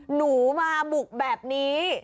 หนูมาบุกแบบนี้